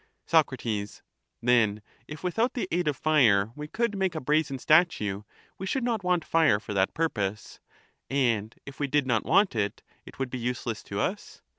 Soc. Then if without the aid of fire we could make a brazen statue, we should not want fire for that purpose ; and if we did not want it, it would be useless to us?